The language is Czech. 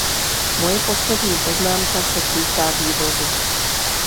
Moje poslední poznámka se týká vývozu.